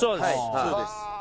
そうです